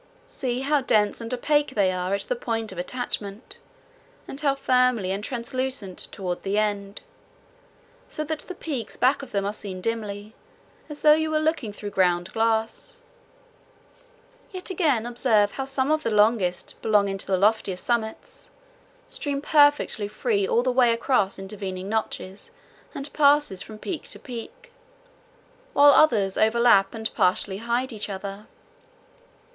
See how dense and opaque they are at the point of attachment, and how filmy and translucent toward the end, so that the peaks back of them are seen dimly, as though you were looking through ground glass. Yet again observe how some of the longest, belonging to the loftiest summits, stream perfectly free all the way across intervening notches and passes from peak to peak, while others overlap and partly hide each other.